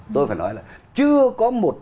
tôi phải nói là chưa có một